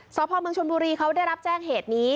สพเมืองชนบุรีเขาได้รับแจ้งเหตุนี้